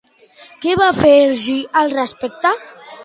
Què va fer Ergí al respecte?